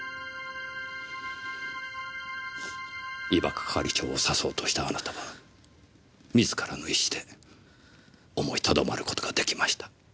伊庭係長を刺そうとしたあなたが自らの意志で思いとどまる事ができました。